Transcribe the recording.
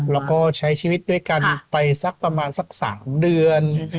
แล้วก็ใช้ชีวิตด้วยกันไปสักประมาณสัก๓เดือน